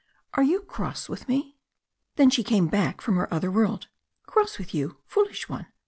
"Are are you cross with me?" Then she came back from her other world. "Cross with you? Foolish one!